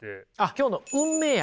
今日の「運命愛」